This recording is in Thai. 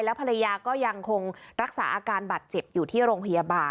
ภรรยาก็ยังคงรักษาอาการบาดเจ็บอยู่ที่โรงพยาบาล